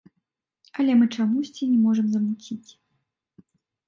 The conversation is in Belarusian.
Але мы чамусьці не можам замуціць.